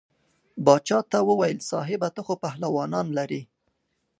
باچا ته وویل صاحبه ته خو پهلوانان لرې.